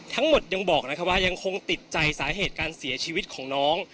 ทั้งหมดยังบอกนะคะว่ายังคงติดใจสาเหตุการเสียชีวิตของน้อง